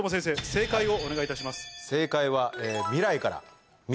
正解をお願いいたします。